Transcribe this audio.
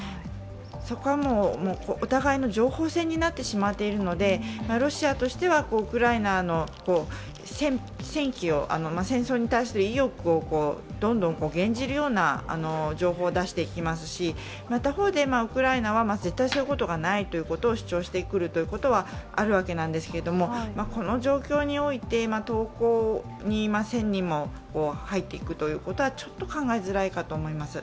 そこはお互いの情報戦になってしまっているので、ロシアとしてはウクライナの戦争に対する意欲をどんどん減じるような情報を出してきますし、他方でウクライナは絶対そういうことはないと主張してくることがあるわけなんですけれども、この状況において投降に１０００人もが入っていくというのはちょっと考えづらいかと思います。